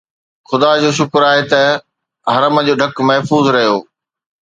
خدا جو شڪر آهي ته حرم جو ڍڪ محفوظ رهيو